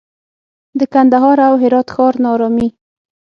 د کندهار او هرات ښار ناارامي